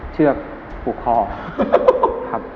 เชือกปลูกคอ